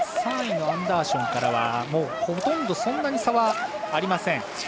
３位のアンダーションからはほとんどそんなに差はありません。